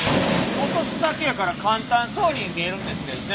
落とすだけやから簡単そうに見えるんですけどね。